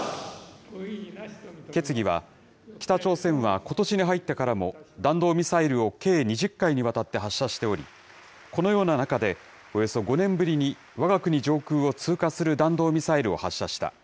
決議は、北朝鮮は、ことしに入ってからも弾道ミサイルを計２０回にわたって発射しており、このような中で、およそ５年ぶりにわが国上空を通過する弾道ミサイルを発射した。